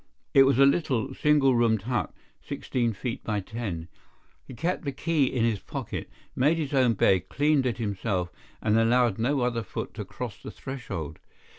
It was a little, single roomed hut, sixteen feet by ten. He kept the key in his pocket, made his own bed, cleaned it himself, and allowed no other foot to cross the threshold.